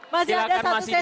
masih ada satu sesi lagi